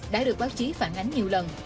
đã được báo chí phản ánh nhiều lần